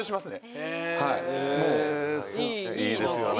いいですよね。